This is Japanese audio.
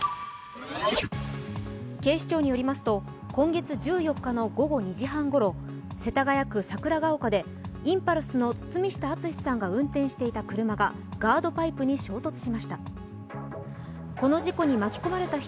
警視庁によりますと、今月１４日の午後２時半ごろ、世田谷区桜丘でインパルスの堤下敦さんが運転していた車がガードパイプに衝突しました。